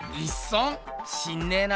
知んねえな。